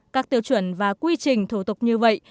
các tiêu chuẩn và quy trình thủ tục như vậy